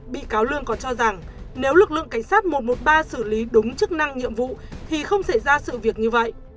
bị cáo lương còn cho rằng nếu lực lượng cảnh sát một trăm một mươi ba xử lý đúng chức năng nhiệm vụ thì không xảy ra sự việc như vậy